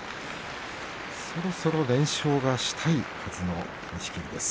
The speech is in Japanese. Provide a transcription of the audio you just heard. そろそろ連勝がしたいはずの錦木です。